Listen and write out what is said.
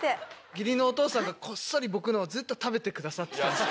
義理のお父さんがこっそり僕のをずっと食べてくださってた。